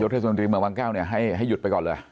คือนายธรรมดิเมืองวังแก้วให้หยุดไปก่อนเลยครับ